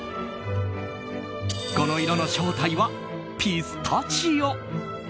この色の正体はピスタチオ。